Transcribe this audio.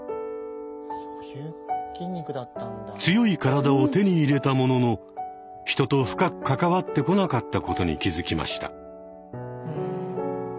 強い体を手に入れたものの人と深く関わってこなかったことに気付きました。